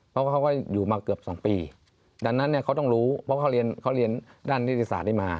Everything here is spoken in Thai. เพราะว่าเขาก็อยู่มาเกือบ๒ปีดังนั้นเนี่ยเขาต้องรู้เพราะเขาเรียนด้านนิติศาสตร์นี้มา